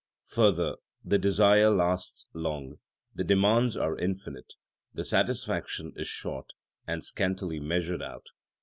Further, the desire lasts long, the demands are infinite; the satisfaction is short and scantily measured out.